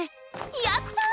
やった！